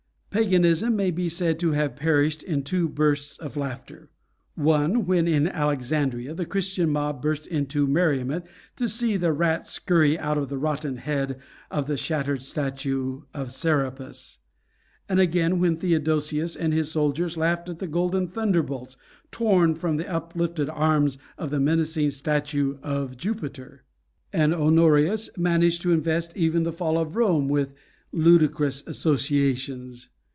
Paganism may be said to have perished in two bursts of laughter: one when in Alexandria the Christian mob burst into merriment to see the rats scurry out of the rotten head of the shattered statue of Serapis; and again when Theodosius and his soldiers laughed at the golden thunderbolts torn from the uplifted arms of the menacing statue of Jupiter. And Honorius managed to invest even the fall of Rome with ludicrous associations.